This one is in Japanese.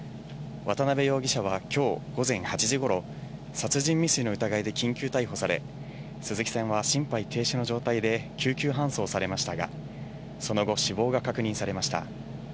渡辺容疑者はきょう午前８時ごろ、殺人未遂の疑いで緊急逮捕され、鈴木さんは心肺停止の状態で救急搬送されましたが、その後、死亡が確認されました。